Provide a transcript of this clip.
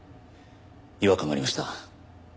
違和感がありました。